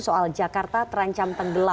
soal jakarta terancam tenggelam